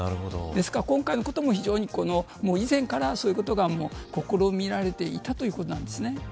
ですから今回のことも以前からそういうことが試みられていたということなんです。